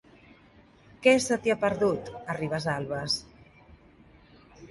Què se t'hi ha perdut, a Ribesalbes?